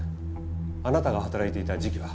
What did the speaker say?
あなたが働いていた時期は？